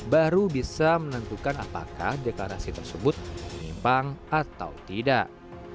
baru bisa menentukan apakah deklarasi tersebut menyimpang atau tidak